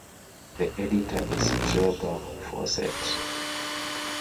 The editor is Trevor Fawcett.